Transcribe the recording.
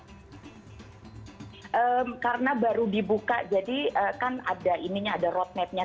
termasuk juga warga negara indonesia yang beragama muslim sudah bisa melakukan tradisi tradisi bulan puasa ataupun ramadhan di denmark